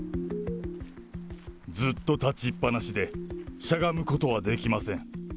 ずっと立ちっぱなしで、しゃがむことはできません。